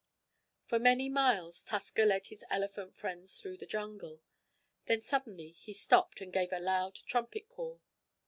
For many miles Tusker led his elephant friends through the jungle. Then suddenly he stopped and gave a loud trumpet call.